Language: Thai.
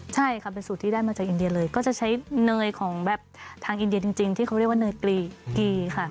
ใช่ค่ะเป็นสูตรที่ได้มาจากอินเดียเลยก็จะใช้เนยของแบบทางอินเดียจริงที่เขาเรียกว่าเนยกีค่ะ